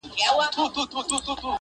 • راډيو.